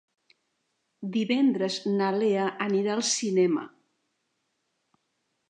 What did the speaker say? Divendres na Lea anirà al cinema.